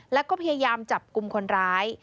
แล้วก็พยายามจับกลุ่มคนร้าย